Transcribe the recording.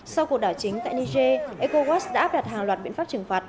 sau cuộc đảo chính tại niger ecowas đã áp đặt hàng loạt biện pháp trừng phạt